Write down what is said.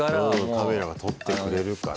カメラが撮ってくれるから。